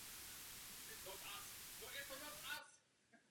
Nachází se na severu Ostrova.